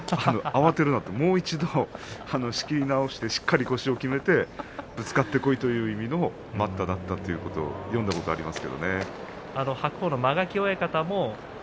もう一度、仕切り直してしっかり腰をきめてぶつかってこいという意味の待ったがあったとという内容を聞いたことがあります。